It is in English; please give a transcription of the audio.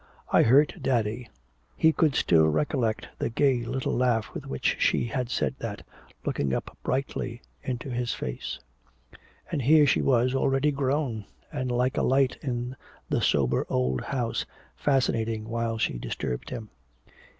"I hurt daddy!" He could still recollect the gay little laugh with which she said that, looking up brightly into his face. And here she was already grown, and like a light in the sober old house, fascinating while she disturbed him.